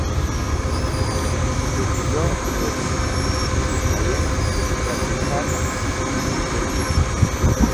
Dẽ k̃hũ yod dũrz, hẽyem fitrati k̃hat pẽtũn ilm.